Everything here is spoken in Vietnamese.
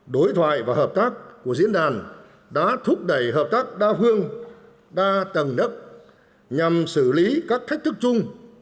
đối thoại và hợp tác của diễn đàn đã thúc đẩy hợp tác đa phương đa tầng nấc nhằm xử lý các thách thức chung